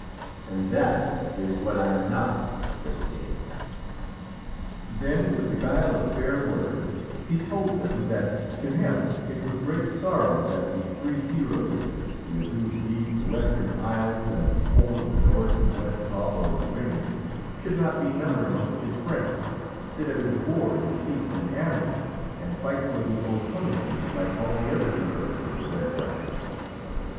"And that is what I am not," said the king. Then with the guile of fair words he told them that to him it was great sorrow that the three heroes, with whose deeds the Western Isles and the whole of the north and west of Alba were ringing, should not be numbered amongst his friends, sit at his board in peace and amity, and fight for the Ultonians like all the other heroes of the Red Branch.